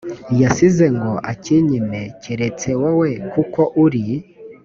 yasize ngo akinyime keretse wowe kuko uri